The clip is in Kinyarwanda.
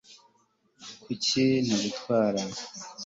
kuki ntagutwara